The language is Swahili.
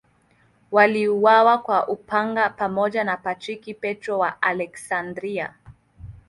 Waliuawa kwa upanga pamoja na Patriarki Petro I wa Aleksandria.